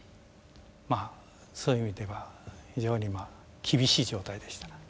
まあそういう意味では非常にまあ厳しい状態でした。